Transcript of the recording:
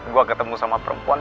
gue ketemu sama perempuan